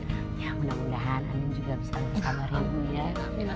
ya mudah mudahan amin juga bisa bersama ibu ya